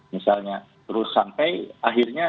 misalnya terus sampai akhirnya